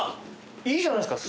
いいじゃないですか。